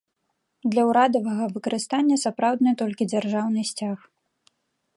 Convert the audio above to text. Для ўрадавага выкарыстання сапраўдны толькі дзяржаўны сцяг.